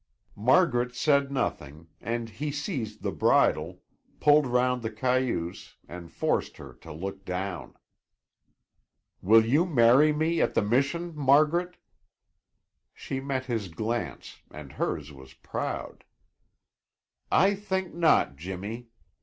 Margaret said nothing and he seized the bridle, pulled 'round the cayuse, and forced her to look down. "Will you marry me at the Mission, Margaret?" She met his glance and hers was proud. "I think not, Jimmy.